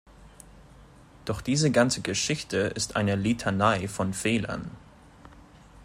Doch diese ganze Geschichte ist eine Litanei von Fehlern.